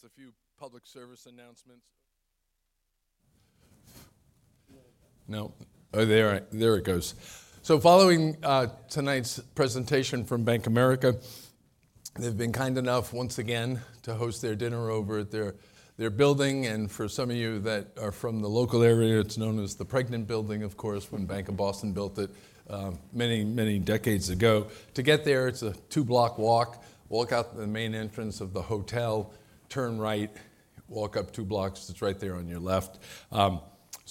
Just a few public service announcements. Now, there it goes. Following tonight's presentation from Bank of America, they've been kind enough once again to host their dinner over at their building. For some of you that are from the local area, it's known as the Pregnant Building, of course, when Bank of Boston built it many, many decades ago. To get there, it's a two-block walk. Walk out the main entrance of the hotel, turn right, walk up two blocks. It's right there on your left.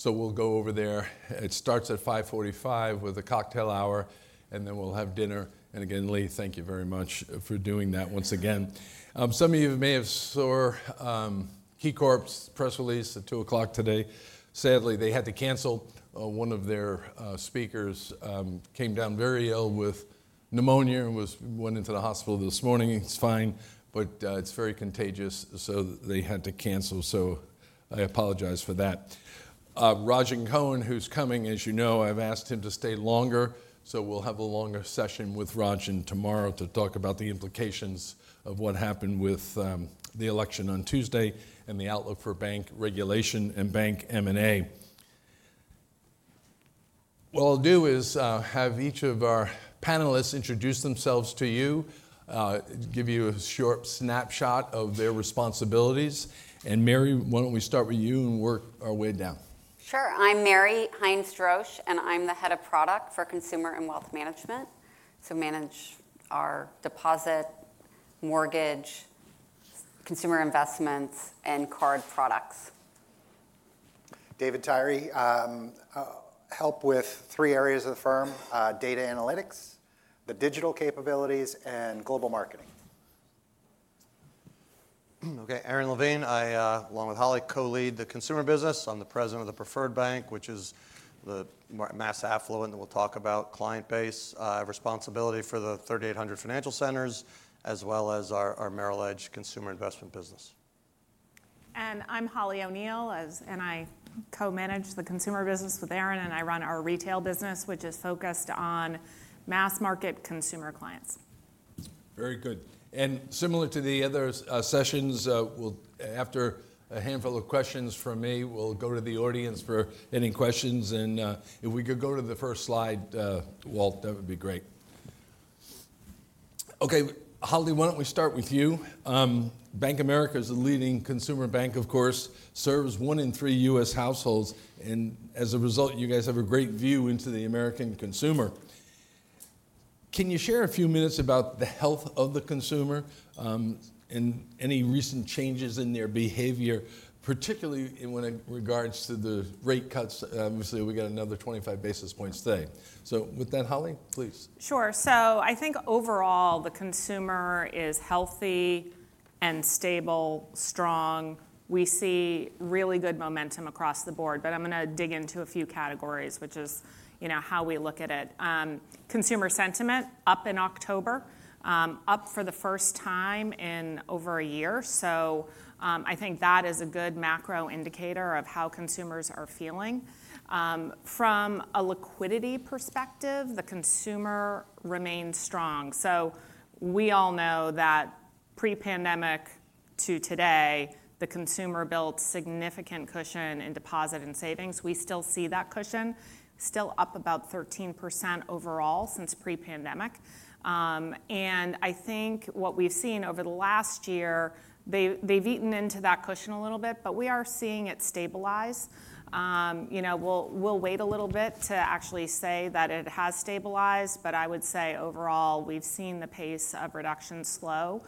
We'll go over there. It starts at 5:45 P.M. with a cocktail hour, and then we'll have dinner. Again, Lee, thank you very much for doing that once again. Some of you may have saw KeyCorp's press release at 2:00 P.M. today. Sadly, they had to cancel. One of their speakers came down very ill with pneumonia and went into the hospital this morning. He's fine, but it's very contagious, so they had to cancel. So I apologize for that. Rodgin Cohen, who's coming, as you know, I've asked him to stay longer. So we'll have a longer session with Rodgin tomorrow to talk about the implications of what happened with the election on Tuesday and the outlook for bank regulation and bank M&A. What I'll do is have each of our panelists introduce themselves to you, give you a short snapshot of their responsibilities. And Mary, why don't we start with you and work our way down? Sure. I'm Mary Hines Droesch, and I'm the head of product for consumer and wealth management. So manage our deposit, mortgage, consumer investments, and card products. David Tyrie i help with three areas of the firm: data analytics, the digital capabilities, and global marketing. Ok`ay. Aron Levine, along with Holly, co-lead the consumer business. I'm the President of Preferred Banking, which is the mass affluent client base that we'll talk about. I have responsibility for the 3,800 Financial Centers, as well as our Merrill Edge consumer investment business. I'm Holly O'Neill, and I co-manage the consumer business with Aron, and I run our retail business, which is focused on mass market consumer clients. Very good. And similar to the other sessions, after a handful of questions from me, we'll go to the audience for any questions. And if we could go to the first slide, Walt, that would be great. Okay. Holly, why don't we start with you? Bank of America, as a leading consumer bank, of course, serves one in three U.S. households. And as a result, you guys have a great view into the American consumer. Can you share a few minutes about the health of the consumer and any recent changes in their behavior, particularly in regards to the rate cuts? Obviously, we got another 25 basis points today? So with that, Holly, please. Sure. So I think overall, the consumer is healthy and stable, strong. We see really good momentum across the board. But I'm going to dig into a few categories, which is how we look at it. Consumer sentiment up in October, up for the first time in over a year. So I think that is a good macro indicator of how consumers are feeling. From a liquidity perspective, the consumer remains strong. So we all know that pre-pandemic to today, the consumer built significant cushion in deposit and savings. We still see that cushion, still up about 13% overall since pre-pandemic. And I think what we've seen over the last year, they've eaten into that cushion a little bit, but we are seeing it stabilize. We'll wait a little bit to actually say that it has stabilized, but I would say overall, we've seen the pace of reduction slow.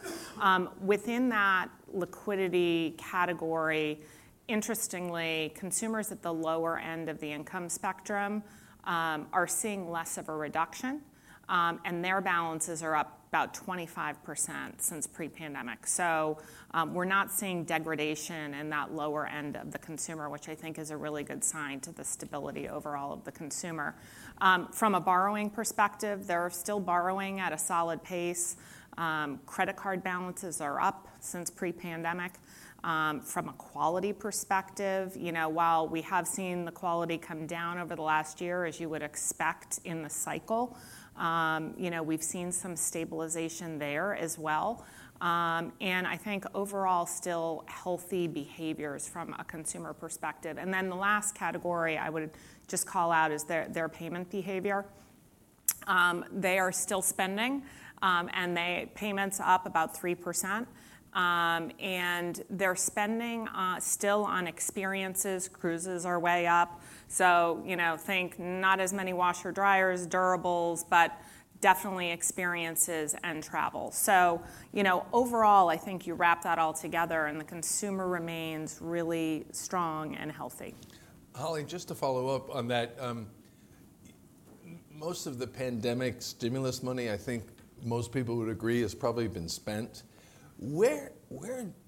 Within that liquidity category, interestingly, consumers at the lower end of the income spectrum are seeing less of a reduction, and their balances are up about 25% since pre-pandemic. So we're not seeing degradation in that lower end of the consumer, which I think is a really good sign to the stability overall of the consumer. From a borrowing perspective, they're still borrowing at a solid pace. Credit card balances are up since pre-pandemic. From a quality perspective, while we have seen the quality come down over the last year, as you would expect in the cycle, we've seen some stabilization there as well. And I think overall, still healthy behaviors from a consumer perspective. Then the last category I would just call out is their payment behavior. They are still spending, and payments up about 3%. And they're spending still on experiences, cruises are way up. So, think not as many washers, dryers, durables, but definitely experiences and travel. So overall, I think you wrap that all together, and the consumer remains really strong and healthy. Holly, just to follow up on that, most of the pandemic stimulus money, I think most people would agree, has probably been spent. Where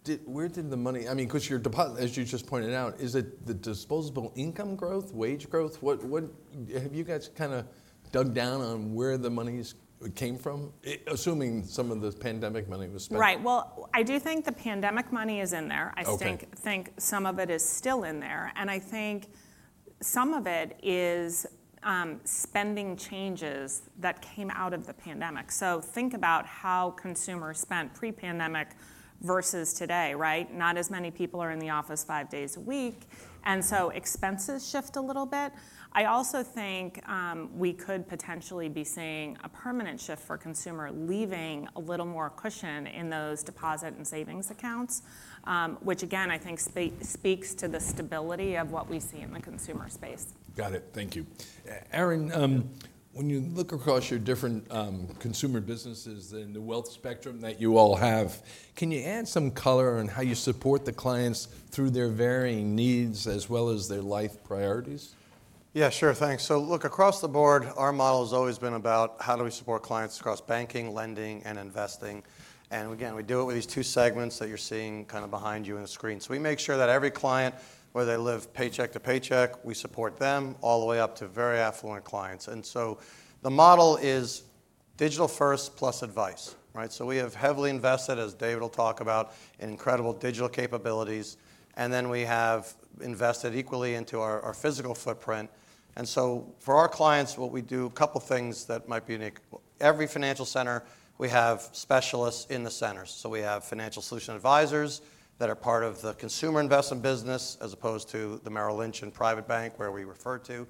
did the money, I mean, because your deposit, as you just pointed out, is it the disposable income growth, wage growth? Have you guys kind of dug down on where the money came from, assuming some of the pandemic money was spent? Right. Well, I do think the pandemic money is in there. I think some of it is still in there. And I think some of it is spending changes that came out of the pandemic. So think about how consumers spent pre-pandemic versus today, right? Not as many people are in the office five days a week. And so expenses shift a little bit. I also think we could potentially be seeing a permanent shift for consumer leaving a little more cushion in those deposit and savings accounts, which, again, I think speaks to the stability of what we see in the consumer space. Got it. Thank you. Aron, when you look across your different consumer businesses and the wealth spectrum that you all have, can you add some color on how you support the clients through their varying needs as well as their life priorities? Yeah, sure. Thanks. So look, across the board, our model has always been about how do we support clients across banking, lending, and investing. And again, we do it with these two segments that you're seeing kind of behind you on the screen. So we make sure that every client, whether they live paycheck to paycheck, we support them all the way up to very affluent clients. And so the model is digital first plus advice. So we have heavily invested, as David will talk about, in incredible digital capabilities. And then we have invested equally into our physical footprint. And so for our clients, what we do, a couple of things that might be unique. Every Financial Center, we have specialists in the centers. So we have Financial Solutions Advisors that are part of the consumer investment business as opposed to the Merrill Lynch and Private Bank, where we refer to.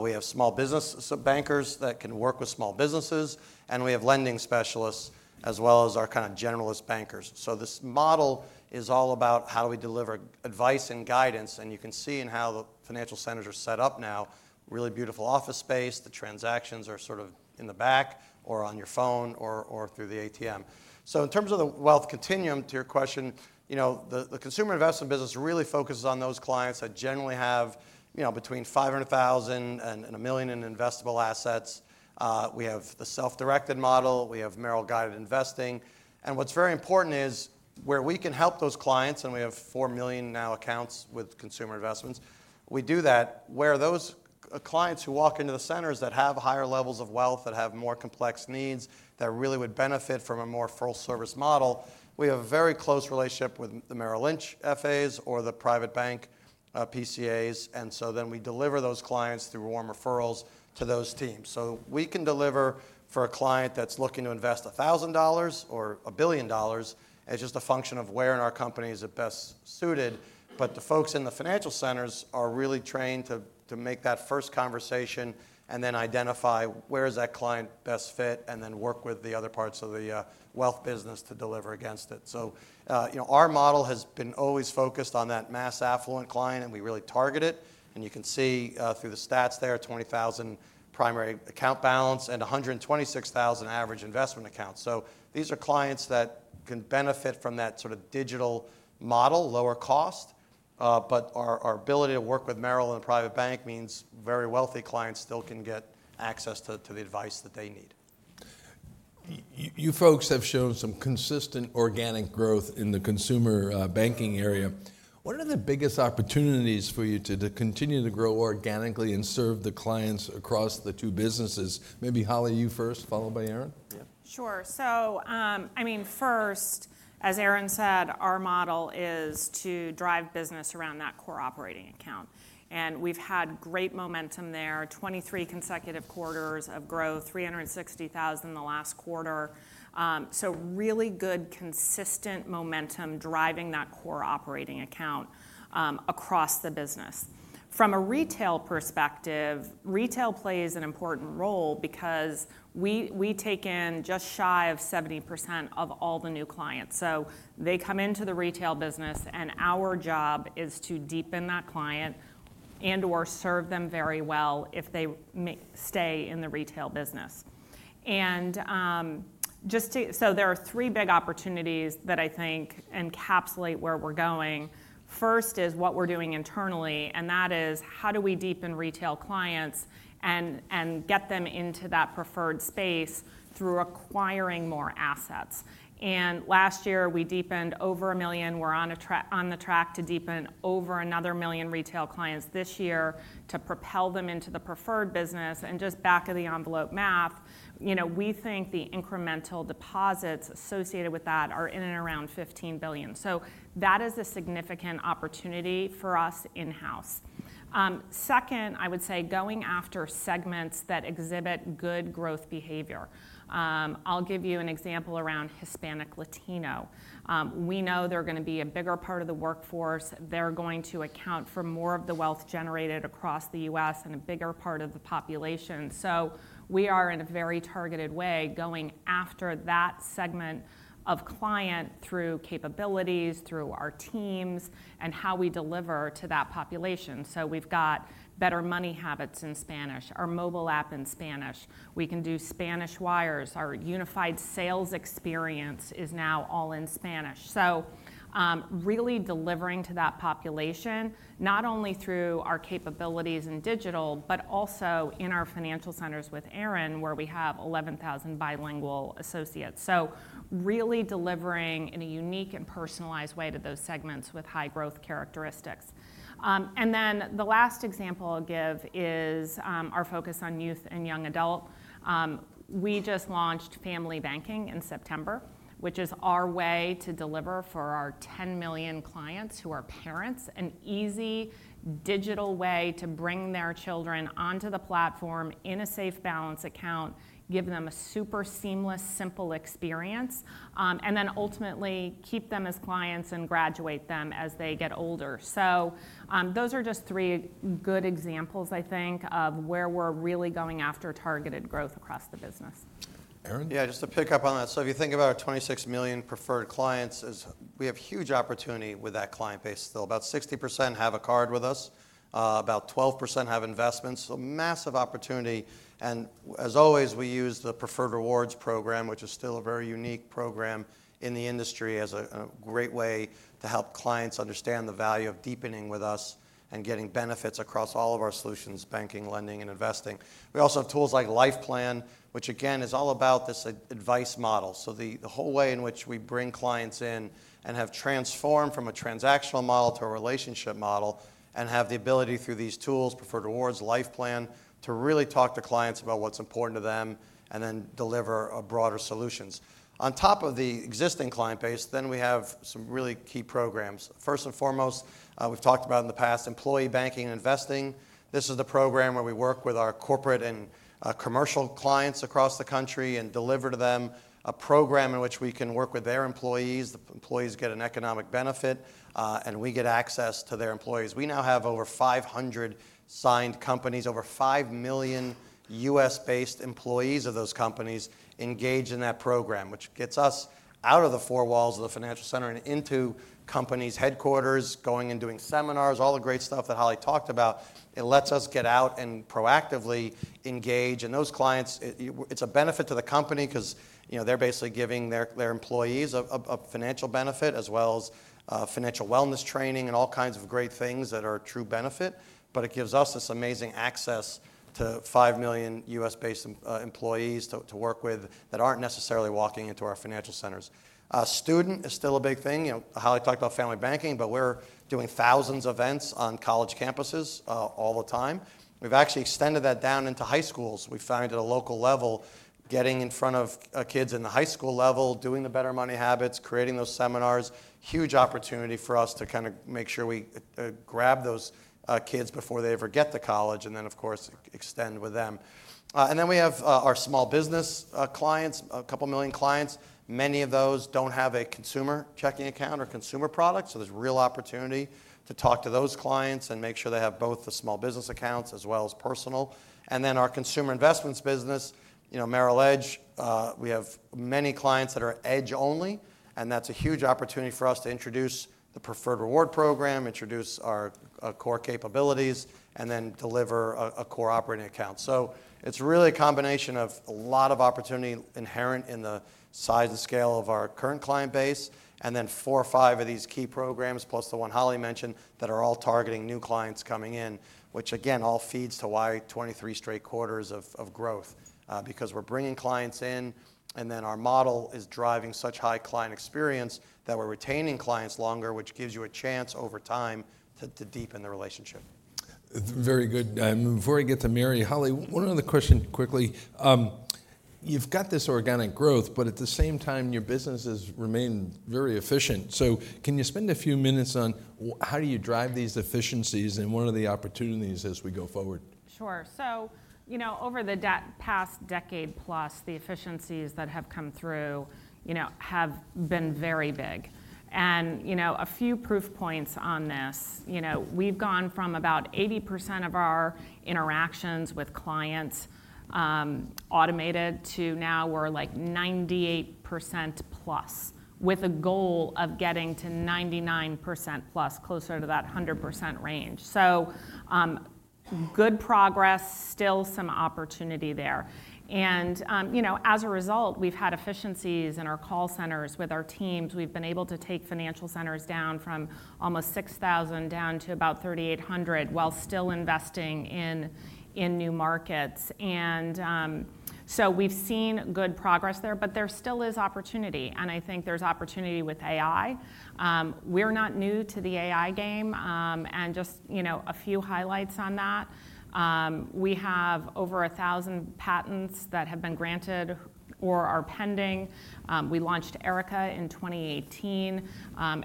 We have small business bankers that can work with small businesses. And we have lending specialists as well as our kind of generalist bankers. So this model is all about how do we deliver advice and guidance. And you can see in how the Financial Centers are set up now, really beautiful office space. The transactions are sort of in the back or on your phone or through the ATM. So in terms of the wealth continuum, to your question, the consumer investment business really focuses on those clients that generally have between $500,000-$1 million in investable assets. We have the self-directed model. We have Merrill Guided Investing. What's very important is where we can help those clients, and we have four million new accounts with consumer investments. We do that where those clients who walk into the centers that have higher levels of wealth, that have more complex needs, that really would benefit from a more full-service model. We have a very close relationship with the Merrill Lynch FAs or the private bank PCAs. So then we deliver those clients through warm referrals to those teams. So we can deliver for a client that's looking to invest $1,000 or $1 billion. It's just a function of where in our company is it best suited. But the folks in the financial centers are really trained to make that first conversation and then identify where is that client best fit and then work with the other parts of the wealth business to deliver against it. Our model has always been focused on that mass affluent client, and we really target it. You can see through the stats there, $20,000 primary account balance and $126,000 average investment accounts. These are clients that can benefit from that sort of digital model, lower cost. Our ability to work with Merrill and the Private Bank means very wealthy clients still can get access to the advice that they need. You folks have shown some consistent organic growth in the consumer banking area. What are the biggest opportunities for you to continue to grow organically and serve the clients across the two businesses? Maybe Holly, you first, followed by Aron. Yeah. Sure. So I mean, first, as Aron said, our model is to drive business around that core operating account. And we've had great momentum there, 23 consecutive quarters of growth, 360,000 the last quarter. So really good consistent momentum driving that core operating account across the business. From a retail perspective, retail plays an important role because we take in just shy of 70% of all the new clients. So they come into the retail business, and our job is to deepen that client and/or serve them very well if they stay in the retail business. And so there are three big opportunities that I think encapsulate where we're going. First is what we're doing internally, and that is how do we deepen retail clients and get them into that preferred space through acquiring more assets. And last year, we deepened over a million. We're on the track to deepen over another million retail clients this year to propel them into the preferred business. Just back-of-the-envelope math, we think the incremental deposits associated with that are in and around $15 billion. That is a significant opportunity for us in-house. Second, I would say going after segments that exhibit good growth behavior. I'll give you an example around Hispanic Latino. We know they're going to be a bigger part of the workforce. They're going to account for more of the wealth generated across the U.S. and a bigger part of the population. We are in a very targeted way going after that segment of client through capabilities, through our teams, and how we deliver to that population. We've got Better Money Habits in Spanish, our mobile app in Spanish. We can do Spanish wires. Our unified sales experience is now all in Spanish. So really delivering to that population, not only through our capabilities in digital, but also in our financial centers with Aron, where we have 11,000 bilingual associates. So really delivering in a unique and personalized way to those segments with high growth characteristics. And then the last example I'll give is our focus on youth and young adult. We just launched Family Banking in September, which is our way to deliver for our 10 million clients who are parents an easy digital way to bring their children onto the platform in a SafeBalance account, give them a super seamless, simple experience, and then ultimately keep them as clients and graduate them as they get older. So those are just three good examples, I think, of where we're really going after targeted growth across the business. Aron? Yeah, just to pick up on that. So if you think about our 26 million preferred clients, we have huge opportunity with that client base. Still, about 60% have a card with us. About 12% have investments. So massive opportunity. And as always, we use the Preferred Rewards program, which is still a very unique program in the industry as a great way to help clients understand the value of deepening with us and getting benefits across all of our solutions, banking, lending, and investing. We also have tools like Life Plan, which again is all about this advice model. So the whole way in which we bring clients in and have transformed from a transactional model to a relationship model and have the ability through these tools, Preferred Rewards, Life Plan, to really talk to clients about what's important to them and then deliver broader solutions. On top of the existing client base, then we have some really key programs. First and foremost, we've talked about in the past, Employee Banking and Investing. This is the program where we work with our corporate and commercial clients across the country and deliver to them a program in which we can work with their employees. The employees get an economic benefit, and we get access to their employees. We now have over 500 signed companies, over 5 million U.S.-based employees of those companies engaged in that program, which gets us out of the four walls of the financial center and into companies' headquarters, going and doing seminars, all the great stuff that Holly talked about. It lets us get out and proactively engage in those clients. It's a benefit to the company because they're basically giving their employees a financial benefit as well as financial wellness training and all kinds of great things that are a true benefit. But it gives us this amazing access to 5 million U.S.-based employees to work with that aren't necessarily walking into our Financial Centers. Students is still a big thing. Holly talked about Family Banking, but we're doing thousands of events on college campuses all the time. We've actually extended that down into high schools. We found at a local level, getting in front of kids in the high school level, doing the Better Money Habits, creating those seminars, huge opportunity for us to kind of make sure we grab those kids before they ever get to college and then, of course, extend with them. And then we have our small business clients, a couple million clients. Many of those don't have a consumer checking account or consumer product, so there's real opportunity to talk to those clients and make sure they have both the small business accounts as well as personal, and then our consumer investments business, Merrill Edge. We have many clients that are Edge-only, and that's a huge opportunity for us to introduce the Preferred Rewards program, introduce our core capabilities, and then deliver a core operating account. It's really a combination of a lot of opportunity inherent in the size and scale of our current client base, and then four or five of these key programs, plus the one Holly mentioned, that are all targeting new clients coming in, which again, all feeds to why 2023 straight quarters of growth, because we're bringing clients in. And then our model is driving such high client experience that we're retaining clients longer, which gives you a chance over time to deepen the relationship. Very good. Before I get to Mary, Holly, one other question quickly. You've got this organic growth, but at the same time, your businesses remain very efficient. So can you spend a few minutes on how do you drive these efficiencies and what are the opportunities as we go forward? Sure. So over the past decade plus, the efficiencies that have come through have been very big, and a few proof points on this. We've gone from about 80% of our interactions with clients automated to now we're like 98%+ with a goal of getting to 99%+, closer to that 100% range, so good progress, still some opportunity there, and as a result, we've had efficiencies in our call centers with our teams. We've been able to take Financial Centers down from almost 6,000 down to about 3,800 while still investing in new markets, and so we've seen good progress there, but there still is opportunity, and I think there's opportunity with AI, we're not new to the AI game, and just a few highlights on that. We have over 1,000 patents that have been granted or are pending. We launched Erica in 2018.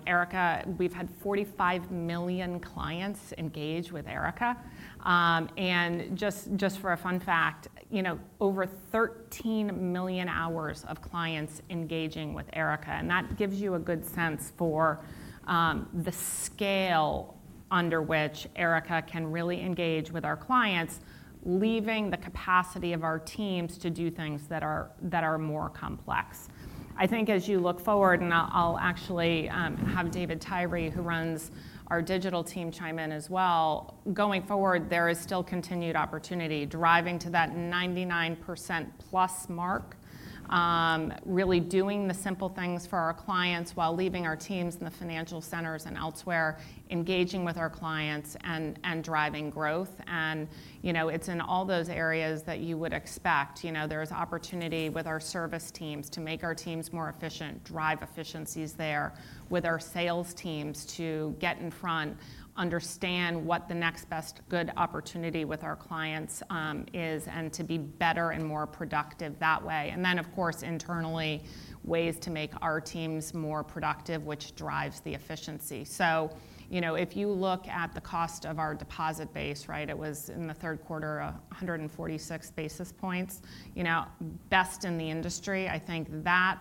Erica, we've had 45 million clients engage with Erica. And just for a fun fact, over 13 million hours of clients engaging with Erica. And that gives you a good sense for the scale under which Erica can really engage with our clients, leaving the capacity of our teams to do things that are more complex. I think as you look forward, and I'll actually have David Tyrie, who runs our digital team, chime in as well. Going forward, there is still continued opportunity driving to that 99%+ mark, really doing the simple things for our clients while leaving our teams in the financial centers and elsewhere, engaging with our clients and driving growth. And it's in all those areas that you would expect. There is opportunity with our service teams to make our teams more efficient, drive efficiencies there with our sales teams to get in front, understand what the next best good opportunity with our clients is, and to be better and more productive that way, and then, of course, internally, ways to make our teams more productive, which drives the efficiency. So if you look at the cost of our deposit base, right, it was in the third quarter 146 basis points, best in the industry. I think that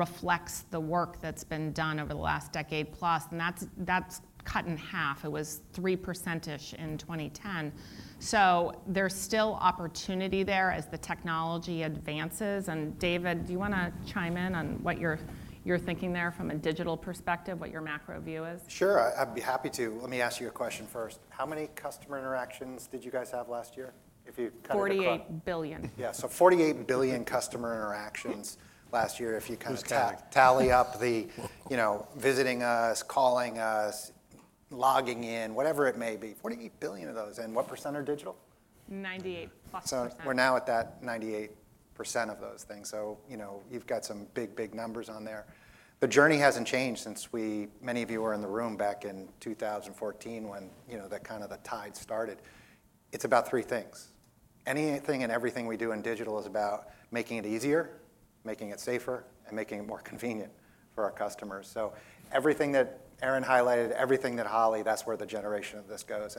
reflects the work that's been done over the last decade plus, and that's cut in half. It was 3%-ish in 2010. So there's still opportunity there as the technology advances, and David, do you want to chime in on what you're thinking there from a digital perspective, what your macro view is? Sure. I'd be happy to. Let me ask you a question first. How many customer interactions did you guys have last year if you cut it down? 48 billion. Yeah. So 48 billion customer interactions last year if you kind of tally up the visiting us, calling us, logging in, whatever it may be. 48 billion of those. And what percentage are digital? 98%+. We're now at that 98% of those things. You've got some big, big numbers on there. The journey hasn't changed since many of you were in the room back in 2014 when kind of the tide started. It's about three things. Anything and everything we do in digital is about making it easier, making it safer, and making it more convenient for our customers. Everything that Aron highlighted, everything that Holly, that's where the generation of this goes.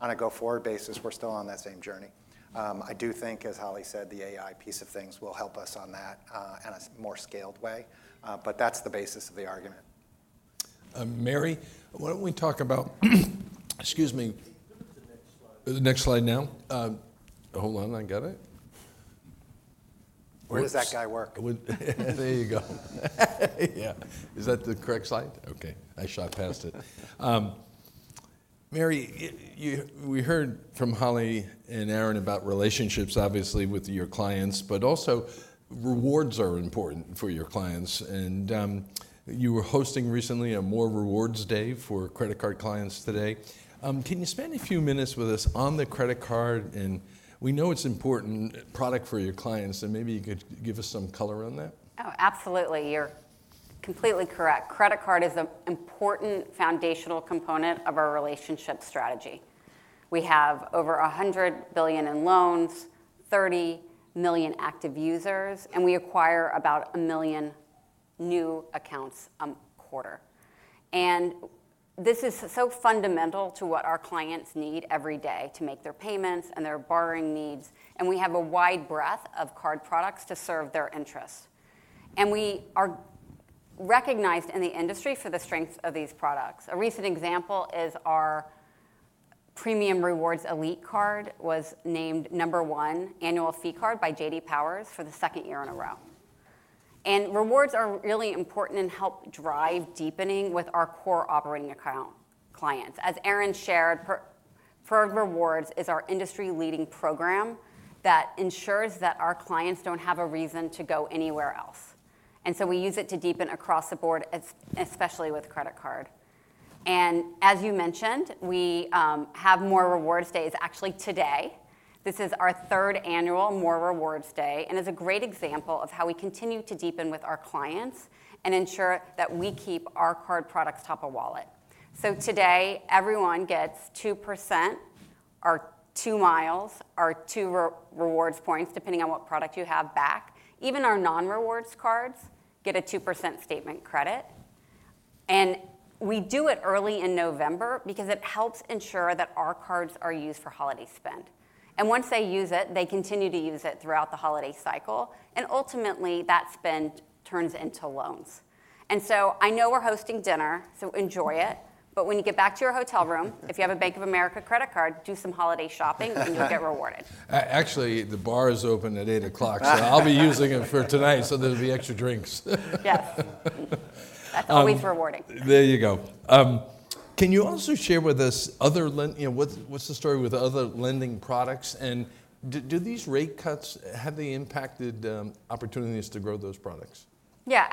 On a go-forward basis, we're still on that same journey. I do think, as Holly said, the AI piece of things will help us on that in a more scaled way. But that's the basis of the argument. Mary, why don't we talk about, excuse me. Can we move to the next slide? The next slide now. Hold on. I got it. Where does that guy work? There you go. Yeah. Is that the correct slide? Okay. I shot past it. Mary, we heard from Holly and Aron about relationships, obviously, with your clients, but also rewards are important for your clients, and you were hosting recently a More Rewards Day for credit card clients today. Can you spend a few minutes with us on the credit card, and we know it's an important product for your clients, and maybe you could give us some color on that. Oh, absolutely. You're completely correct. Credit card is an important foundational component of our relationship strategy. We have over $100 billion in loans, 30 million active users, and we acquire about a million new accounts a quarter. And this is so fundamental to what our clients need every day to make their payments and their borrowing needs. And we have a wide breadth of card products to serve their interests. And we are recognized in the industry for the strength of these products. A recent example is our Premium Rewards Elite Card was named number one annual fee card by J.D. Power for the second year in a row. And rewards are really important and help drive deepening with our core operating account clients. As Aron shared, Preferred Rewards is our industry-leading program that ensures that our clients don't have a reason to go anywhere else. And so we use it to deepen across the board, especially with credit card. And as you mentioned, we have More Rewards Day. Actually, today, this is our third annual More Rewards Day and is a great example of how we continue to deepen with our clients and ensure that we keep our card products top of wallet. So today, everyone gets 2%, or 2 miles, or 2 rewards points, depending on what product you have back. Even our non-rewards cards get a 2% statement credit. We do it early in November because it helps ensure that our cards are used for holiday spend. And once they use it, they continue to use it throughout the holiday cycle. And ultimately, that spend turns into loans. And so I know we're hosting dinner, so enjoy it. But when you get back to your hotel room, if you have a Bank of America credit card, do some holiday shopping and you'll get rewarded. Actually, the bar is open at 8:00 P.M., so I'll be using it for tonight so there'll be extra drinks. Yeah. That's always rewarding. There you go. Can you also share with us what's the story with other lending products? And do these rate cuts, have they impacted opportunities to grow those products? Yeah.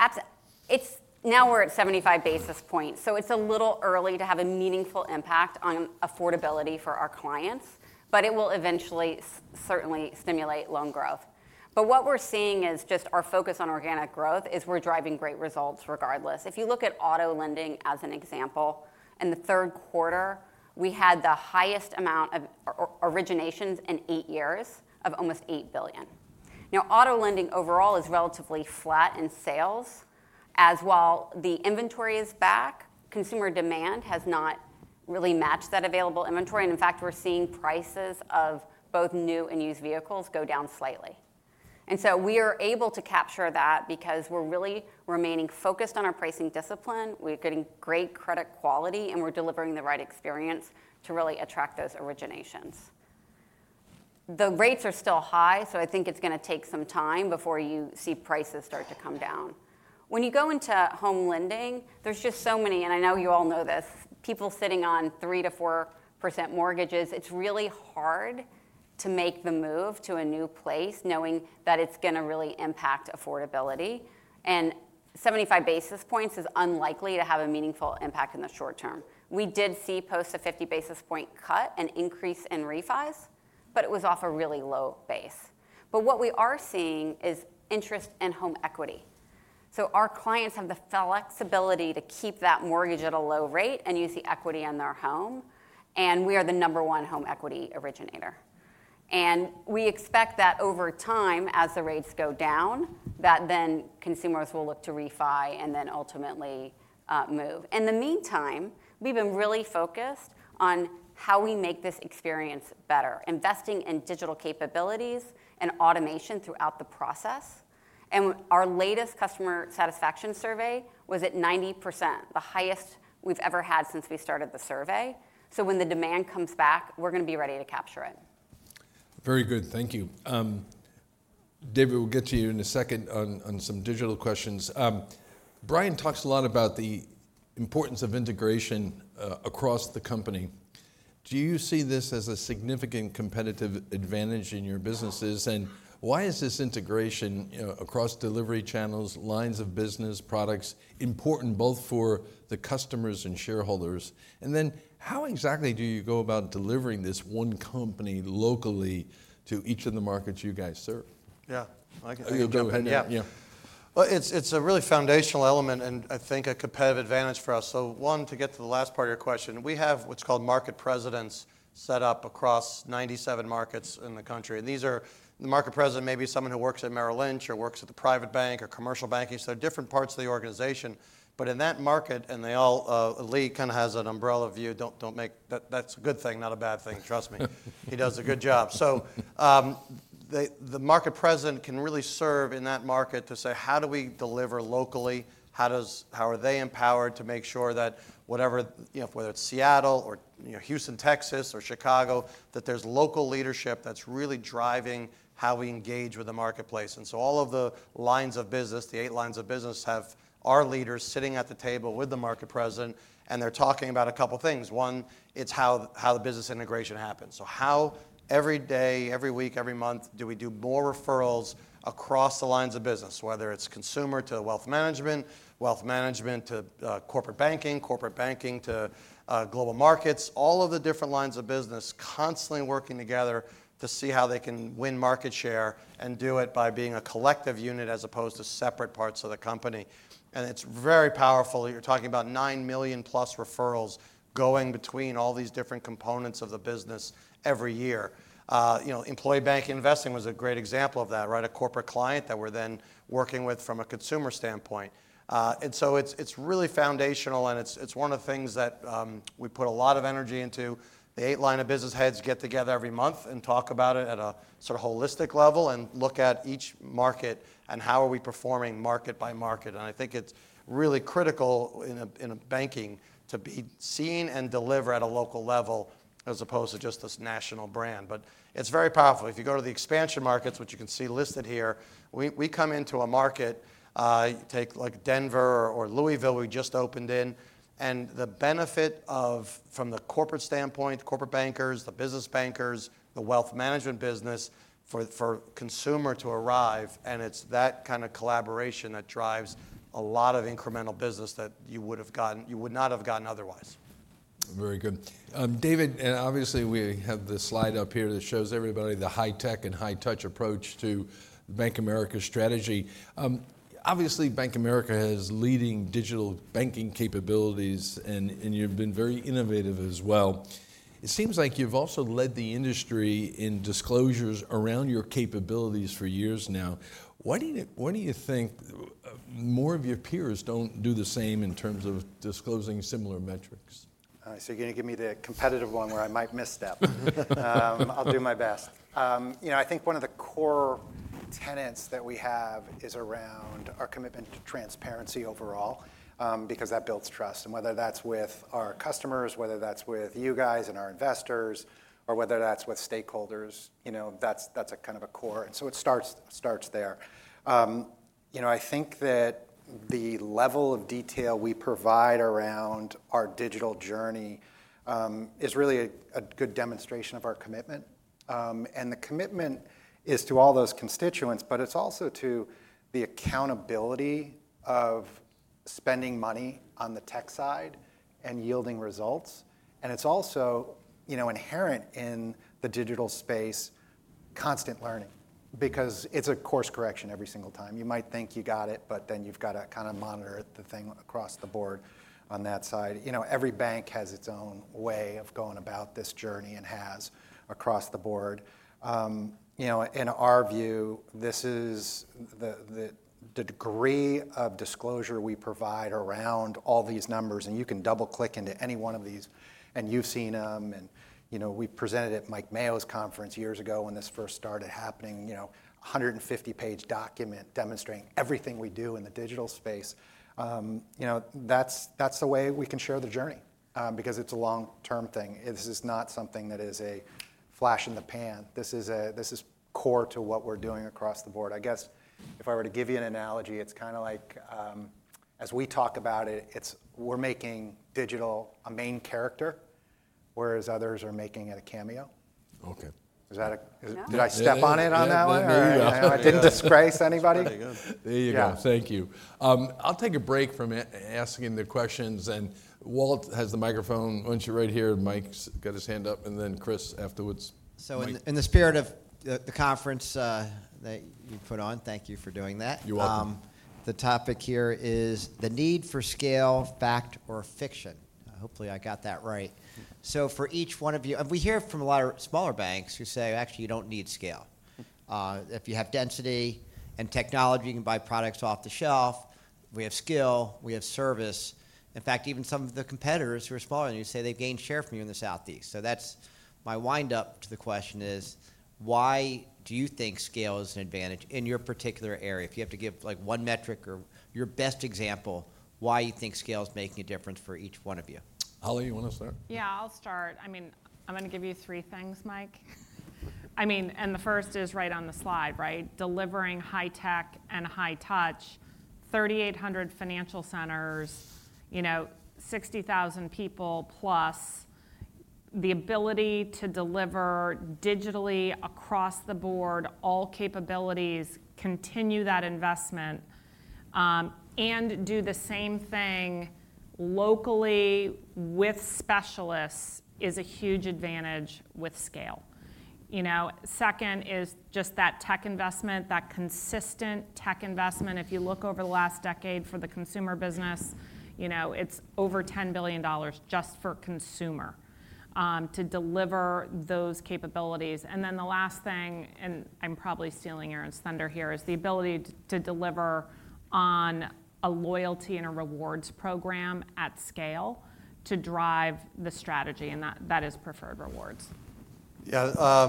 Now we're at 75 basis points. So it's a little early to have a meaningful impact on affordability for our clients, but it will eventually certainly stimulate loan growth. But what we're seeing is just our focus on organic growth is we're driving great results regardless. If you look at auto lending as an example, in the third quarter, we had the highest amount of originations in eight years of almost $8 billion. Now, auto lending overall is relatively flat in sales. As while the inventory is back, consumer demand has not really matched that available inventory. And in fact, we're seeing prices of both new and used vehicles go down slightly. And so we are able to capture that because we're really remaining focused on our pricing discipline. We're getting great credit quality, and we're delivering the right experience to really attract those originations. The rates are still high, so I think it's going to take some time before you see prices start to come down. When you go into home lending, there's just so many, and I know you all know this, people sitting on 3%-4% mortgages. It's really hard to make the move to a new place knowing that it's going to really impact affordability. And 75 basis points is unlikely to have a meaningful impact in the short term. We did see post a 50 basis point cut and increase in refis, but it was off a really low base. But what we are seeing is interest and home equity. So our clients have the flexibility to keep that mortgage at a low rate and use the equity on their home. And we are the number one home equity originator. We expect that over time, as the rates go down, that then consumers will look to refi and then ultimately move. In the meantime, we've been really focused on how we make this experience better, investing in digital capabilities and automation throughout the process. Our latest customer satisfaction survey was at 90%, the highest we've ever had since we started the survey. When the demand comes back, we're going to be ready to capture it. Very good. Thank you. David, we'll get to you in a second on some digital questions. Brian talks a lot about the importance of integration across the company. Do you see this as a significant competitive advantage in your businesses? And why is this integration across delivery channels, lines of business, products important both for the customers and shareholders? And then how exactly do you go about delivering this one company locally to each of the markets you guys serve? Yeah. Are you a Joe Pennini? Yeah. Yeah. It's a really foundational element and I think a competitive advantage for us. So one, to get to the last part of your question, we have what's called market presidents set up across 97 markets in the country. And the market president may be someone who works at Merrill Lynch or works at the private bank or commercial banking. So different parts of the organization. But in that market, and Lee kind of has an umbrella view, that's a good thing, not a bad thing. Trust me. He does a good job. So the market president can really serve in that market to say, how do we deliver locally? How are they empowered to make sure that whether it's Seattle or Houston, Texas, or Chicago, that there's local leadership that's really driving how we engage with the marketplace? All of the lines of business, the eight lines of business, have our leaders sitting at the table with the market president. They're talking about a couple of things. One, it's how the business integration happens. Every day, every week, every month, we do more referrals across the lines of business, whether it's consumer to wealth management, wealth management to corporate banking, corporate banking to global markets, all of the different lines of business constantly working together to see how they can win market share and do it by being a collective unit as opposed to separate parts of the company. It's very powerful. You're talking about 9+ million referrals going between all these different components of the business every year. Employee bank investing was a great example of that, right? A corporate client that we're then working with from a consumer standpoint. And so it's really foundational. And it's one of the things that we put a lot of energy into. The eight line of business heads get together every month and talk about it at a sort of holistic level and look at each market and how are we performing market by market. And I think it's really critical in banking to be seen and deliver at a local level as opposed to just this national brand. But it's very powerful. If you go to the expansion markets, which you can see listed here, we come into a market, take Denver or Louisville, we just opened in. And the benefit from the corporate standpoint, the corporate bankers, the business bankers, the wealth management business for consumer to arrive. It's that kind of collaboration that drives a lot of incremental business that you would not have gotten otherwise. Very good. David, and obviously, we have the slide up here that shows everybody the high-tech and high-touch approach to Bank of America's strategy. Obviously, Bank of America has leading digital banking capabilities, and you've been very innovative as well. It seems like you've also led the industry in disclosures around your capabilities for years now. Why do you think more of your peers don't do the same in terms of disclosing similar metrics? So you're going to give me the competitive one where I might misstep. I'll do my best. I think one of the core tenets that we have is around our commitment to transparency overall because that builds trust. And whether that's with our customers, whether that's with you guys and our investors, or whether that's with stakeholders, that's kind of a core. And so it starts there. I think that the level of detail we provide around our digital journey is really a good demonstration of our commitment. And the commitment is to all those constituents, but it's also to the accountability of spending money on the tech side and yielding results. And it's also inherent in the digital space, constant learning because it's a course correction every single time. You might think you got it, but then you've got to kind of monitor the thing across the board on that side. Every bank has its own way of going about this journey and has across the board. In our view, this is the degree of disclosure we provide around all these numbers. And you can double-click into any one of these, and you've seen them. And we presented at Mike Mayo's conference years ago when this first started happening, a 150-page document demonstrating everything we do in the digital space. That's the way we can share the journey because it's a long-term thing. This is not something that is a flash in the pan. This is core to what we're doing across the board. I guess if I were to give you an analogy, it's kind of like as we talk about it, we're making digital a main character, whereas others are making it a cameo. Okay. Did I step on it on that one? I didn't disgrace anybody. There you go. Thank you. I'll take a break from asking the questions. And Walt has the microphone. Why don't you right here, Mike's got his hand up, and then Chris afterwards. So in the spirit of the conference that you put on, thank you for doing that. You're welcome. The topic here is the need for scale, fact or fiction. Hopefully, I got that right. So for each one of you, we hear from a lot of smaller banks who say, actually, you don't need scale. If you have density and technology, you can buy products off the shelf. We have skill. We have service. In fact, even some of the competitors who are smaller than you say, they've gained share from you in the Southeast. So my windup to the question is, why do you think scale is an advantage in your particular area? If you have to give one metric or your best example, why you think scale is making a difference for each one of you? Holly, you want to start? Yeah, I'll start. I mean, I'm going to give you three things, Mike. I mean, and the first is right on the slide, right? Delivering high-tech, high-touch, 3,800 Financial Centers, 60,000 people, plus the ability to deliver digitally across the board, all capabilities, continue that investment, and do the same thing locally with specialists is a huge advantage with scale. Second is just that tech investment, that consistent tech investment. If you look over the last decade for the consumer business, it's over $10 billion just for consumer to deliver those capabilities. And then the last thing, and I'm probably stealing Aron's thunder here, is the ability to deliver on a loyalty and a rewards program at scale to drive the strategy. And that is Preferred Rewards. Yeah.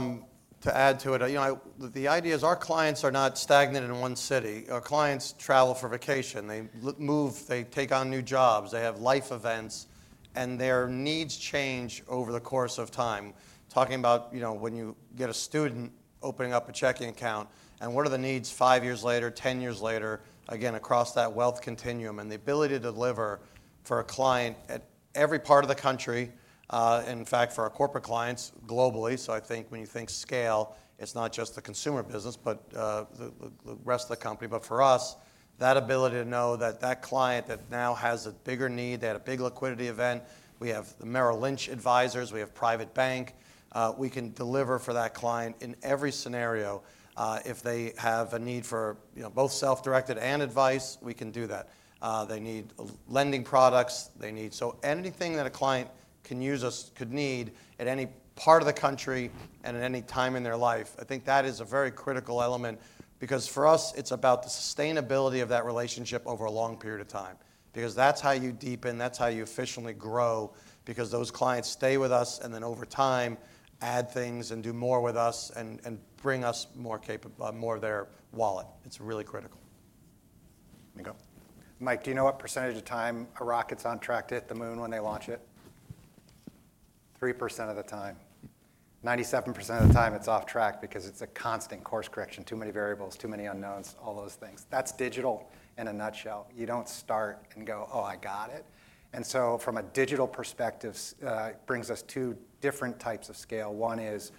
To add to it, the idea is our clients are not stagnant in one city. Our clients travel for vacation. They move. They take on new jobs. They have life events. And their needs change over the course of time. Talking about when you get a student opening up a checking account, and what are the needs five years later, ten years later, again, across that wealth continuum and the ability to deliver for a client at every part of the country, in fact, for our corporate clients globally. So I think when you think scale, it's not just the consumer business, but the rest of the company. But for us, that ability to know that that client that now has a bigger need, they had a big liquidity event, we have the Merrill Lynch advisors, we have Private Bank, we can deliver for that client in every scenario. If they have a need for both self-directed and advice, we can do that. They need lending products. So anything that a client could need at any part of the country and at any time in their life, I think that is a very critical element because for us, it's about the sustainability of that relationship over a long period of time because that's how you deepen, that's how you efficiently grow because those clients stay with us and then over time add things and do more with us and bring us more of their wallet. It's really critical. Mike, do you know what percentage of time a rocket's on track to hit the moon when they launch it? 3% of the time. 97% of the time, it's off track because it's a constant course correction, too many variables, too many unknowns, all those things. That's digital in a nutshell. You don't start and go, "Oh, I got it." And so from a digital perspective, it brings us to different types of scale. One is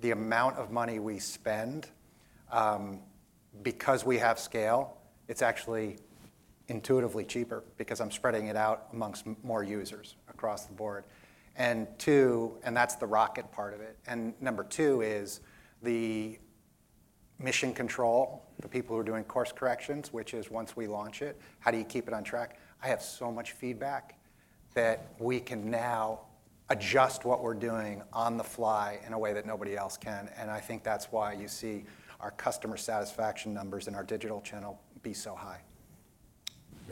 the amount of money we spend. Because we have scale, it's actually intuitively cheaper because I'm spreading it out among more users across the board. And two, and that's the rocket part of it. And number two is the mission control, the people who are doing course corrections, which is once we launch it, how do you keep it on track? I have so much feedback that we can now adjust what we're doing on the fly in a way that nobody else can. And I think that's why you see our customer satisfaction numbers in our digital channel be so high.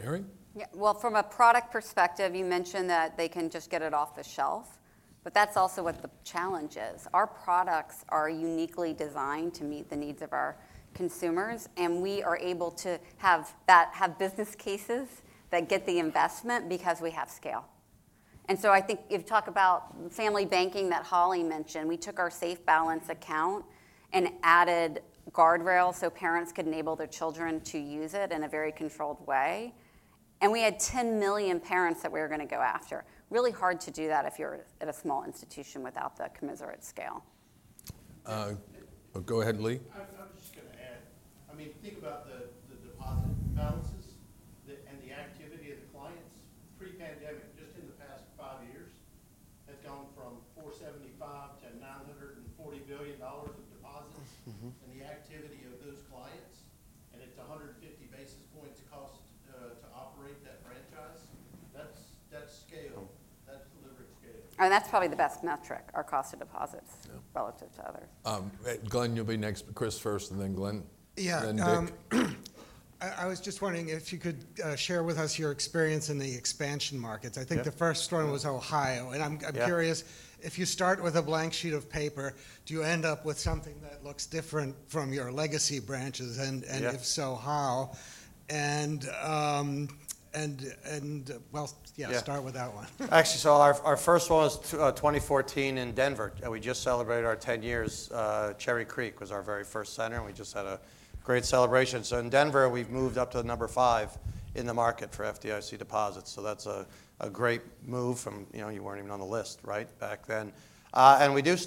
Mary? Yeah. Well, from a product perspective, you mentioned that they can just get it off the shelf. But that's also what the challenge is. Our products are uniquely designed to meet the needs of our consumers. And we are able to have business cases that get the investment because we have scale. And so I think you've talked about Family Banking that Holly mentioned. We took our SafeBalance account and added guardrails so parents could enable their children to use it in a very controlled way. And we had 10 million parents that we were going to go after. Really hard to do that if you're at a small institution without the commensurate scale. Go ahead, Lee. I was just going to add. I mean, think about the deposit balances and the activity of the clients. Pre-pandemic, just in the past five years, that's gone from $475 billion to $940 billion of deposits and the activity of those clients. And it's 150 basis points cost to operate that franchise. That's scale. That's delivering scale. That's probably the best metric, our cost of deposits relative to others. Glenn, you'll be next. Chris first, and then Glenn. Yeah. I was just wondering if you could share with us your experience in the expansion markets. I think the first one was Ohio, and I'm curious, if you start with a blank sheet of paper, do you end up with something that looks different from your legacy branches? If so, how? Well, yeah, start with that one. Actually, so our first one was 2014 in Denver. We just celebrated our 10 years. Cherry Creek was our very first center, and we just had a great celebration. So in Denver, we've moved up to number five in the market for FDIC deposits. So that's a great move from, you weren't even on the list, right, back then, and we did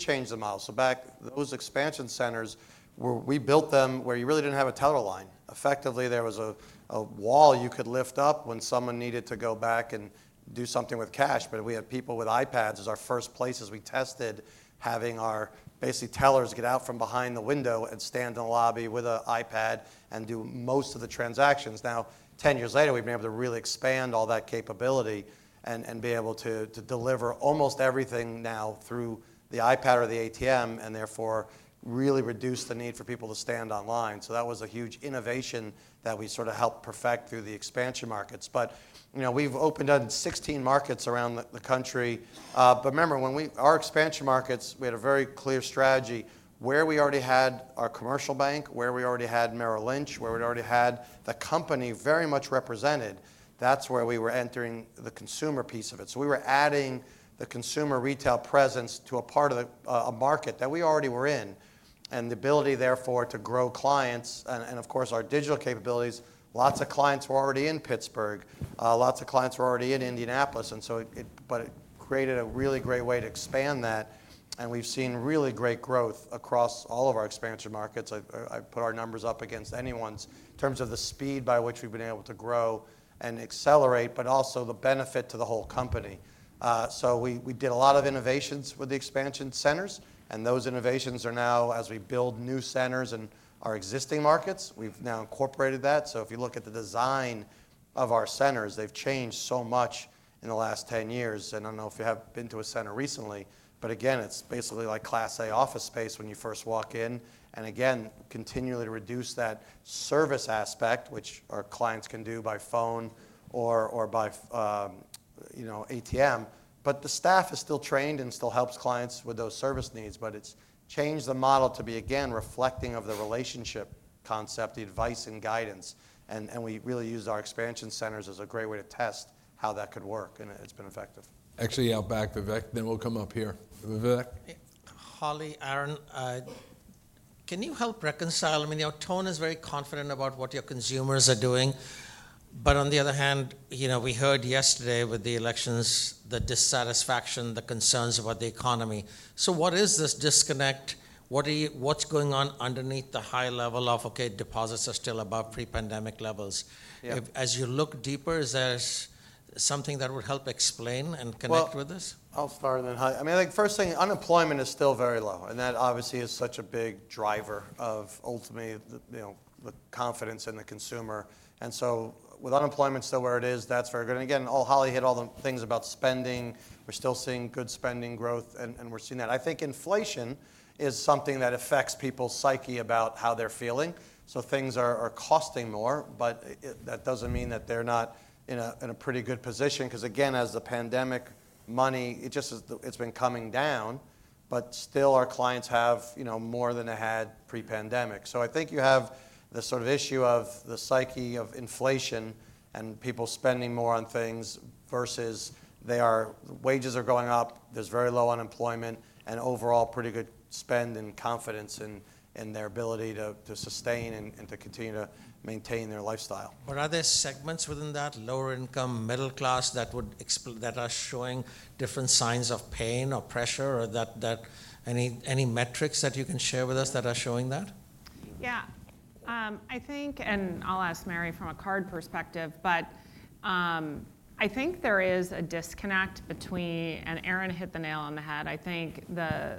change the model. So back, those expansion centers, we built them where you really didn't have a teller line. Effectively, there was a wall you could lift up when someone needed to go back and do something with cash. But we had people with iPads as our first places. We tested having our basically tellers get out from behind the window and stand in the lobby with an iPad and do most of the transactions. Now, 10 years later, we've been able to really expand all that capability and be able to deliver almost everything now through the iPad or the ATM and therefore really reduce the need for people to stand in line. So that was a huge innovation that we sort of helped perfect through the expansion markets. But we've opened up 16 markets around the country. But remember, our expansion markets, we had a very clear strategy. Where we already had our commercial bank, where we already had Merrill Lynch, where we already had the company very much represented, that's where we were entering the consumer piece of it. So we were adding the consumer retail presence to a part of the market that we already were in and the ability, therefore, to grow clients. And of course, our digital capabilities, lots of clients were already in Pittsburgh, lots of clients were already in Indianapolis. But it created a really great way to expand that. And we've seen really great growth across all of our expansion markets. I put our numbers up against anyone's in terms of the speed by which we've been able to grow and accelerate, but also the benefit to the whole company. So we did a lot of innovations with the expansion centers. And those innovations are now, as we build new centers in our existing markets, we've now incorporated that. So if you look at the design of our centers, they've changed so much in the last 10 years. And I don't know if you have been to a center recently. But again, it's basically like Class A office space when you first walk in. And again, continually reduce that service aspect, which our clients can do by phone or by ATM. But the staff is still trained and still helps clients with those service needs. But it's changed the model to be, again, reflecting of the relationship concept, the advice and guidance. And we really use our expansion centers as a great way to test how that could work. And it's been effective. Actually, I'll back Vivek. Then we'll come up here. Vivek? Holly, Aron, can you help reconcile? I mean, your tone is very confident about what your consumers are doing. But on the other hand, we heard yesterday with the elections, the dissatisfaction, the concerns about the economy. So what is this disconnect? What's going on underneath the high level of, okay, deposits are still above pre-pandemic levels? As you look deeper, is there something that would help explain and connect with this? Well, I'll start then. I mean, first thing, unemployment is still very low. And that obviously is such a big driver of ultimately the confidence in the consumer. And so with unemployment still where it is, that's very good. And again, Holly hit all the things about spending. We're still seeing good spending growth. And we're seeing that. I think inflation is something that affects people's psyche about how they're feeling. So things are costing more. But that doesn't mean that they're not in a pretty good position because, again, as the pandemic, money, it's been coming down. But still, our clients have more than they had pre-pandemic. So, I think you have the sort of issue of the psyche of inflation and people spending more on things versus wages are going up. There's very low unemployment, and overall pretty good spend and confidence in their ability to sustain and to continue to maintain their lifestyle. What are the segments within that, lower income, middle class, that are showing different signs of pain or pressure or any metrics that you can share with us that are showing that? Yeah. I think, and I'll ask Mary from a card perspective, but I think there is a disconnect between, and Aron hit the nail on the head. I think the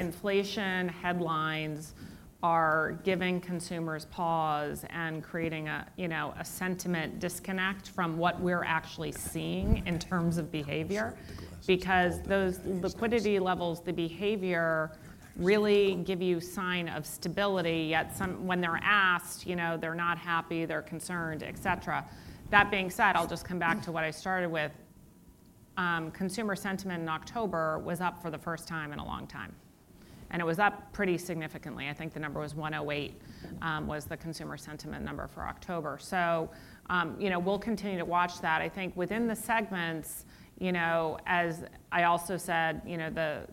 inflation headlines are giving consumers pause and creating a sentiment disconnect from what we're actually seeing in terms of behavior because those liquidity levels, the behavior really give you a sign of stability. Yet when they're asked, they're not happy, they're concerned, et cetera. That being said, I'll just come back to what I started with. Consumer sentiment in October was up for the first time in a long time, and it was up pretty significantly. I think the number was 108 was the consumer sentiment number for October. So we'll continue to watch that. I think within the segments, as I also said,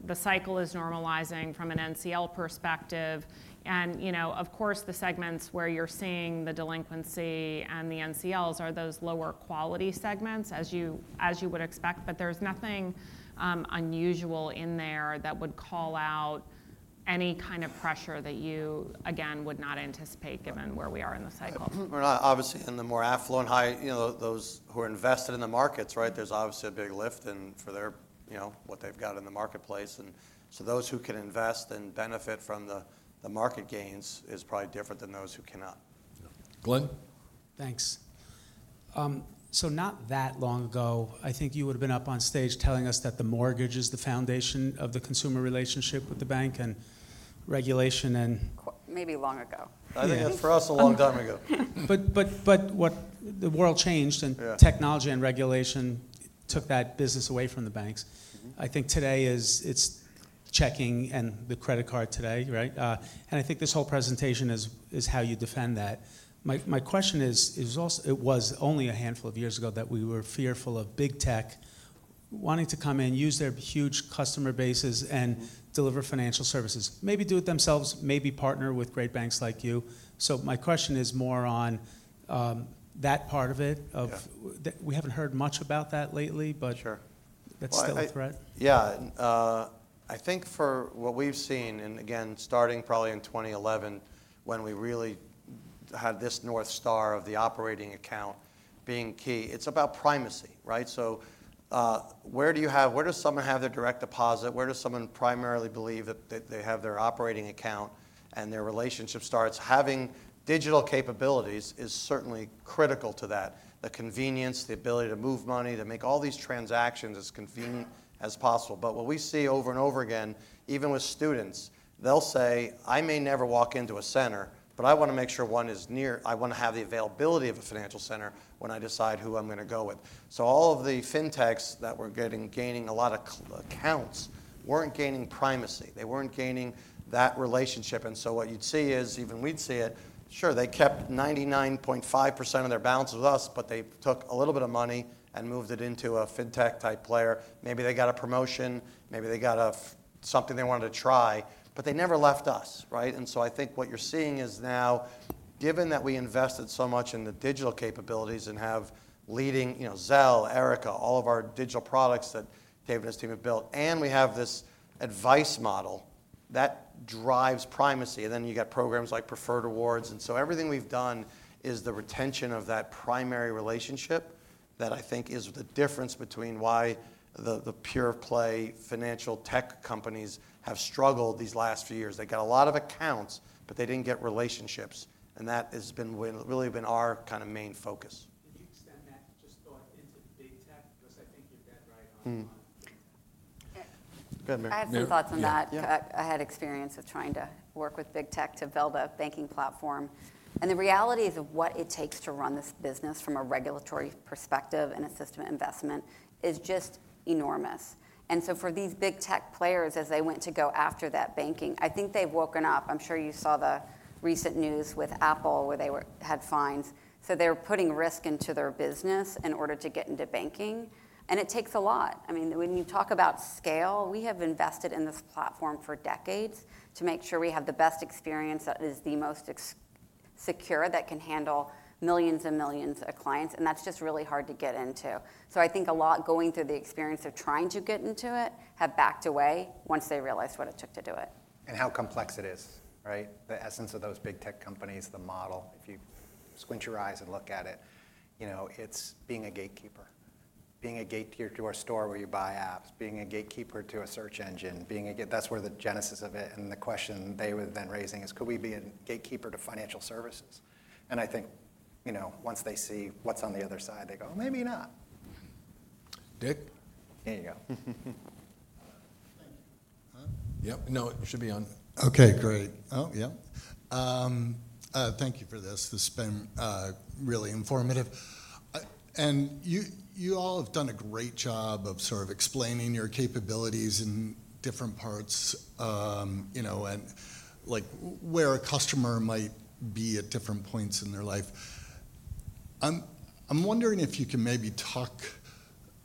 the cycle is normalizing from an NCL perspective. And of course, the segments where you're seeing the delinquency and the NCLs are those lower quality segments, as you would expect. But there's nothing unusual in there that would call out any kind of pressure that you, again, would not anticipate given where we are in the cycle. Obviously, in the more affluent, those who are invested in the markets, right, there's obviously a big lift in for what they've got in the marketplace. And so those who can invest and benefit from the market gains is probably different than those who cannot. Glenn? Thanks. So not that long ago, I think you would have been up on stage telling us that the mortgage is the foundation of the consumer relationship with the bank and regulation and. Maybe long ago. I think that's for us a long time ago. But the world changed. And technology and regulation took that business away from the banks. I think today it's checking and the credit card today, right? And I think this whole presentation is how you defend that. My question is, it was only a handful of years ago that we were fearful of Big Tech wanting to come in, use their huge customer bases, and deliver financial services, maybe do it themselves, maybe partner with great banks like you. So my question is more on that part of it. We haven't heard much about that lately, but that's still a threat? Yeah. I think for what we've seen, and again, starting probably in 2011 when we really had this North Star of the operating account being key, it's about primacy, right? So where do you have, where does someone have their direct deposit? Where does someone primarily believe that they have their operating account and their relationship starts? Having digital capabilities is certainly critical to that, the convenience, the ability to move money, to make all these transactions as convenient as possible. But what we see over and over again, even with students, they'll say, "I may never walk into a center, but I want to make sure one is near. I want to have the availability of a financial center when I decide who I'm going to go with." So all of the fintechs that were gaining a lot of accounts weren't gaining primacy. They weren't gaining that relationship. And so what you'd see is, even we'd see it, sure, they kept 99.5% of their balance with us, but they took a little bit of money and moved it into a fintech-type player. Maybe they got a promotion. Maybe they got something they wanted to try. But they never left us, right? And so I think what you're seeing is now, given that we invested so much in the digital capabilities and have leading Zelle, Erica, all of our digital products that Dave and his team have built, and we have this advice model that drives primacy. Then you got programs like Preferred Rewards. And so everything we've done is the retention of that primary relationship that I think is the difference between why the pure-play financial tech companies have struggled these last few years. They got a lot of accounts, but they didn't get relationships. That has really been our kind of main focus. I have some thoughts on that. I had experience with trying to work with Big Tech to build a banking platform, and the realities of what it takes to run this business from a regulatory perspective and a system of investment is just enormous, and so for these Big Tech players, as they went to go after that banking, I think they've woken up. I'm sure you saw the recent news with Apple where they had fines, so they're putting risk into their business in order to get into banking, and it takes a lot. I mean, when you talk about scale, we have invested in this platform for decades to make sure we have the best experience that is the most secure that can handle millions and millions of clients, and that's just really hard to get into. I think a lot going through the experience of trying to get into it have backed away once they realized what it took to do it. And how complex it is, right? The essence of those Big Tech companies, the model, if you squint your eyes and look at it, it's being a gatekeeper, being a gatekeeper to a store where you buy apps, being a gatekeeper to a search engine. That's where the genesis of it. And the question they were then raising is, could we be a gatekeeper to financial services? And I think once they see what's on the other side, they go, "Oh, maybe not. Dick? Here you go. Yep. No, you should be on. Okay, great. Oh, yeah. Thank you for this. This has been really informative. And you all have done a great job of sort of explaining your capabilities in different parts and where a customer might be at different points in their life. I'm wondering if you can maybe talk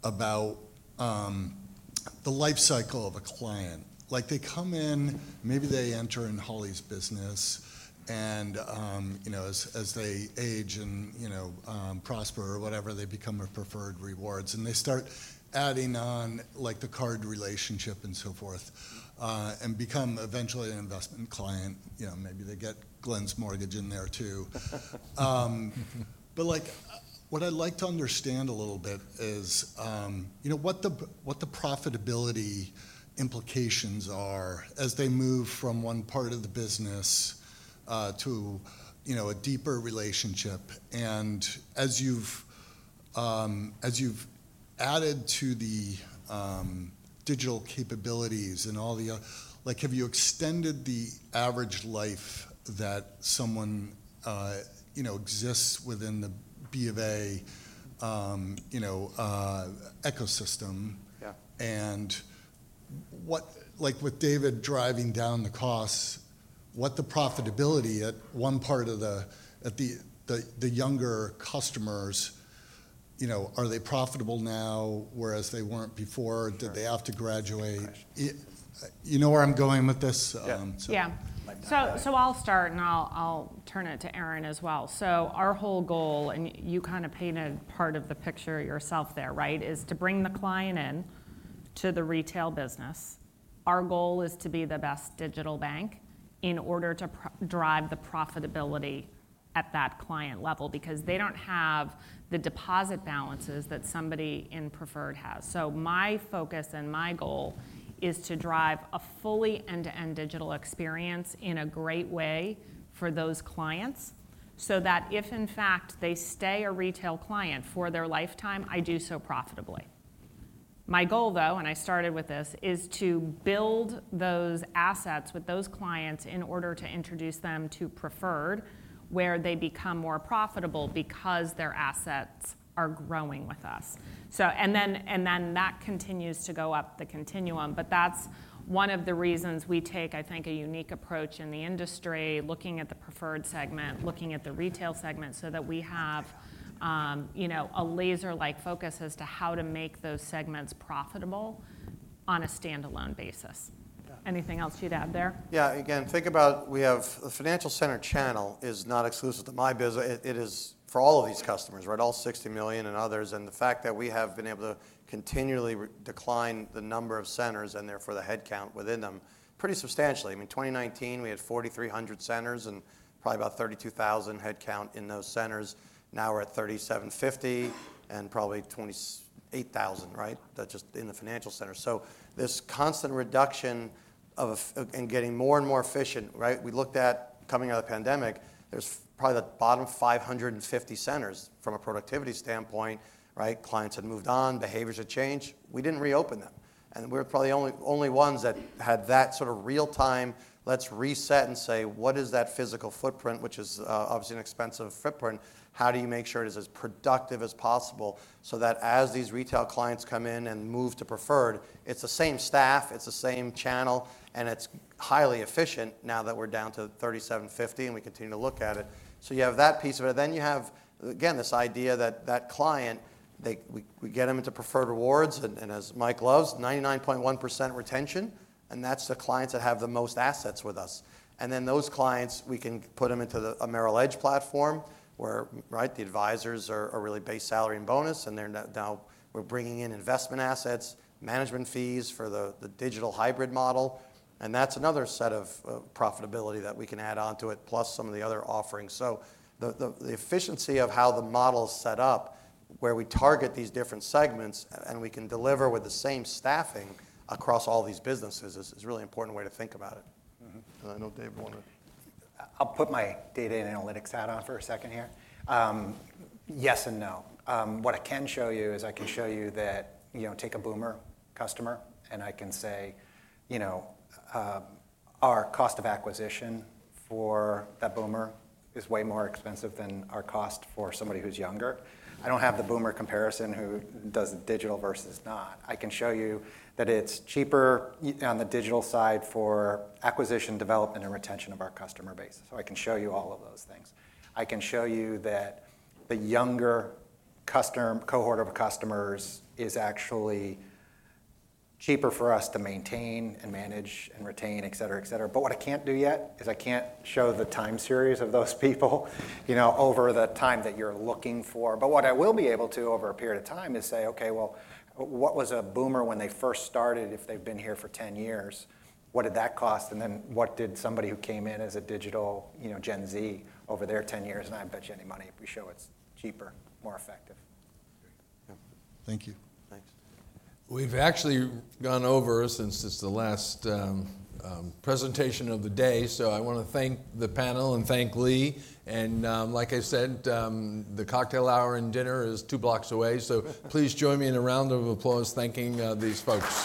about the life cycle of a client. They come in, maybe they enter in Holly's business. And as they age and prosper or whatever, they become a Preferred Rewards. And they start adding on the card relationship and so forth and become eventually an investment client. Maybe they get Glenn's mortgage in there too. But what I'd like to understand a little bit is what the profitability implications are as they move from one part of the business to a deeper relationship. And as you've added to the digital capabilities and all the other, have you extended the average life that someone exists within the BofA ecosystem? And with David driving down the costs, what the profitability at one part of the younger customers, are they profitable now whereas they weren't before? Did they have to graduate? You know where I'm going with this? Yeah. So I'll start and I'll turn it to Aron as well. So our whole goal, and you kind of painted part of the picture yourself there, right, is to bring the client in to the retail business. Our goal is to be the best digital bank in order to drive the profitability at that client level because they don't have the deposit balances that somebody in Preferred has. So my focus and my goal is to drive a fully end-to-end digital experience in a great way for those clients so that if, in fact, they stay a retail client for their lifetime, I do so profitably. My goal, though, and I started with this, is to build those assets with those clients in order to introduce them to Preferred where they become more profitable because their assets are growing with us. And then that continues to go up the continuum. But that's one of the reasons we take, I think, a unique approach in the industry, looking at the Preferred segment, looking at the retail segment so that we have a laser-like focus as to how to make those segments profitable on a standalone basis. Anything else you'd add there? Yeah. Again, think about we have the Financial Centers channel is not exclusive to my business. It is for all of these customers, right, all 60 million and others. And the fact that we have been able to continually decline the number of centers and therefore the headcount within them pretty substantially. I mean, 2019, we had 4,300 centers and probably about 32,000 headcount in those centers. Now we're at 3,750 and probably 28,000, right, just in the Financial Centers. So this constant reduction and getting more and more efficient, right? We looked at coming out of the pandemic, there's probably the bottom 550 centers from a productivity standpoint, right? Clients had moved on. Behaviors had changed. We didn't reopen them. And we were probably the only ones that had that sort of real-time, let's reset and say, what is that physical footprint, which is obviously an expensive footprint? How do you make sure it is as productive as possible so that as these retail clients come in and move to Preferred, it's the same staff, it's the same channel, and it's highly efficient now that we're down to 3,750 and we continue to look at it. So you have that piece of it. Then you have, again, this idea that that client, we get them into Preferred Rewards, and as Mike loves, 99.1% retention. And that's the clients that have the most assets with us. And then those clients, we can put them into a Merrill Edge platform where, right, the advisors are really base salary and bonus. And now we're bringing in investment assets, management fees for the digital hybrid model. And that's another set of profitability that we can add onto it, plus some of the other offerings. So the efficiency of how the model is set up, where we target these different segments and we can deliver with the same staffing across all these businesses is a really important way to think about it. And I know Dave wanted to. I'll put my data and analytics hat on for a second here. Yes and no. What I can show you is I can show you that take a Boomer customer, and I can say our cost of acquisition for that Boomer is way more expensive than our cost for somebody who's younger. I don't have the Boomer comparison who does digital versus not. I can show you that it's cheaper on the digital side for acquisition, development, and retention of our customer base. So I can show you all of those things. I can show you that the younger cohort of customers is actually cheaper for us to maintain and manage and retain, et cetera, et cetera. But what I can't do yet is I can't show the time series of those people over the time that you're looking for. But what I will be able to over a period of time is say, "Okay, well, what was a Boomer when they first started? If they've been here for 10 years, what did that cost? And then what did somebody who came in as a digital Gen Z over their 10 years?" And I bet you any money we show it's cheaper, more effective. Thank you. Thanks. We've actually gone over time since just the last presentation of the day, so I want to thank the panel and thank Lee, and like I said, the cocktail hour and dinner is two blocks away, so please join me in a round of applause thanking these folks.